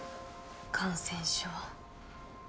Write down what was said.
感染症。